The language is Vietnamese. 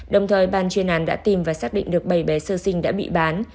đồng thời ban chuyên án đã tìm và xác định được bảy bé sơ sinh đã bị bán